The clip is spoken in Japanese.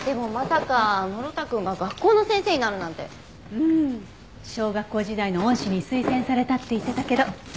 うん。小学校時代の恩師に推薦されたって言ってたけど。